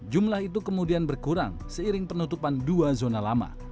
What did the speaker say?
jumlah itu kemudian berkurang seiring penutupan dua zona lama